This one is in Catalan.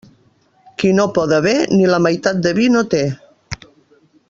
Qui no poda bé, ni la meitat de vi no té.